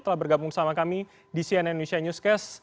telah bergabung bersama kami di cnn indonesia newscast